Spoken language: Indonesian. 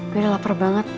gue udah lapar banget